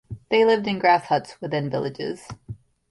They lived in grass huts within villages.